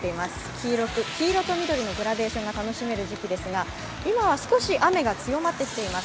黄色と緑のグラデーションが楽しめる時期ですが、今は少し雨が強まってきています。